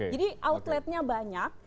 jadi outletnya banyak